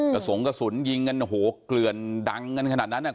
สงกระสุนยิงกันโอ้โหเกลือนดังกันขนาดนั้นอ่ะ